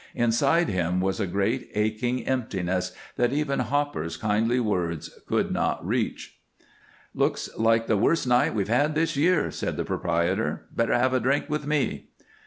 Inside him was a great aching emptiness that even Hopper's kindly words could not reach. "Looks like the worst night we've had this year," said the proprietor. "Better have a drink with me."